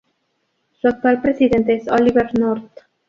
Su actual presidente es Oliver North.